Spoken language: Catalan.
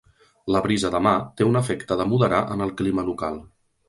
La brisa de mar té un efecte de moderar en el clima local.